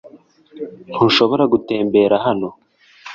Ntushobora gutembera hano .